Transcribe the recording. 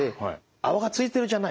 「泡がついてるじゃない。